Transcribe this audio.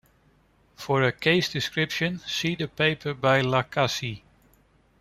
For a case description, see the paper by Lacassie.